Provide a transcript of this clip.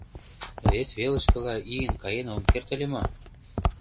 Вес велышкыла ийын каен ом керт ыле мо?